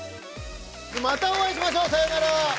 またお会いしましょう。さようなら！